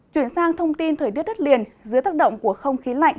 chuyển sang thông tin thời tiết đất liền dưới tác động của không khí lạnh